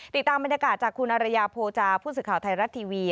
ติดตามบรรยากาศจากคุณอรยาโพจาผู้สื่อข่าวไทยรัฐทีวี